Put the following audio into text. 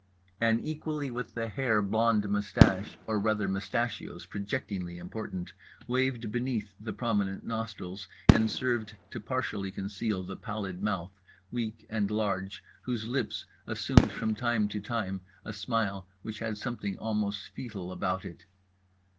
An equally with the hair blond moustache—or rather mustachios projectingly important—waved beneath the prominent nostrils, and served to partially conceal the pallid mouth, weak and large, whose lips assumed from time to time a smile which had something almost foetal about it.